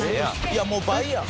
いやもう倍やん。